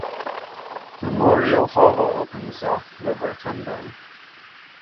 Memorial Hall opens off the Rotunda.